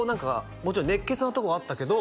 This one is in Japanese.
「もちろん熱血なとこあったけど」